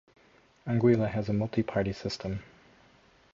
Anguilla has a multi-party system.